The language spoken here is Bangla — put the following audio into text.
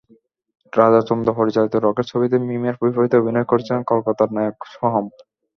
রাজা চন্দ পরিচালিত রকেট ছবিতে মিমের বিপরীতে অভিনয় করছেন কলকাতার নায়ক সোহম।